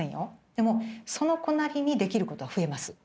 でもその子なりにできることは増えます。